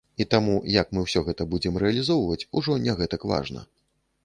І таму, як мы ўсё гэта будзем рэалізоўваць, ужо не гэтак важна.